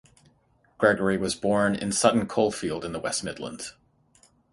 Gregory was born in Sutton Coldfield in the West Midlands.